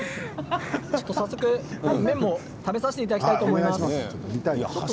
早速、麺も食べさせていただきたいと思います。